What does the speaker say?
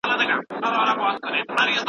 دی په ډېرې مېړانې سره خپل کار ته دوام ورکوي.